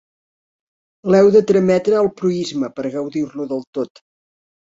L'heu de trametre al proïsme per a gaudir-lo del tot.